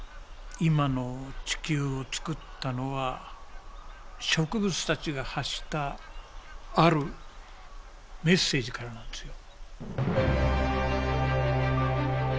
今の地球を作ったのは植物たちが発したあるメッセージからなんですよ。